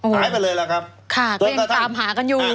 หายไปเลยแล้วครับตัวเองตามหากันอยู่